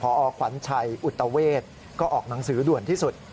พอขวัญชัยอุตเวทก็ออกหนังสือด่วนที่สุด